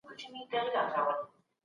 ډيجيټلي وسايل زده کړې سرعت زياتوي.